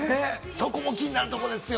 そこも気になるところですよ。